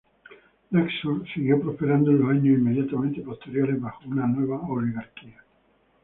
Naxos siguió prosperando en los años inmediatamente posteriores bajo una nueva oligarquía.